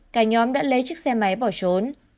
cả nhóm đã lấy chiếc xe máy bỏ trốn